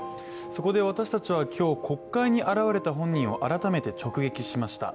そこで私たちは今日、国会に現れた本人を改めて直撃しました。